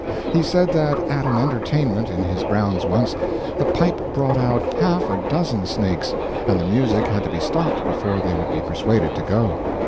He said that at an entertainment in his grounds once, the pipe brought out half a dozen snakes, and the music had to be stopped before they would be persuaded to go.